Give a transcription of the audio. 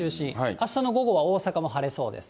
あしたの午後は大阪も晴れそうです。